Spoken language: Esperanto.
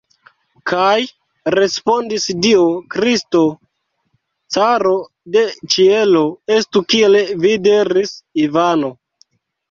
Kaj respondis Dio Kristo, caro de ĉielo: "Estu, kiel vi diris, Ivano!"